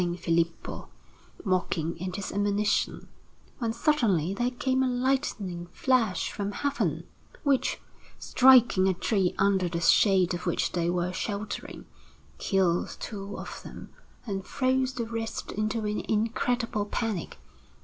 Filippo, mocking at his admonition, when suddenly there comes a lightning flash from Heaven, which, striking a tree under the shade of which they were sheltering, kills two of them and throws the rest into an incredible panic.